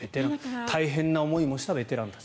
大変な思いもしたベテランたち。